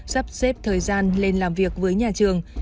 sắp xếp thời gian lên làm việc với nhà trường